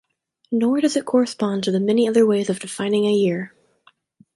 Nor does it correspond to the many other ways of defining a year.